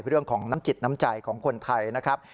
เรื่องของน้ำจิตน้ำใจของคนไทยนะครับ